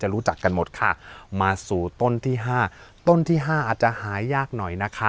รู้จักกันหมดค่ะมาสู่ต้นที่ห้าต้นที่๕อาจจะหายากหน่อยนะคะ